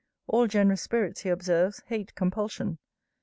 'All generous spirits, he observes, hate compulsion.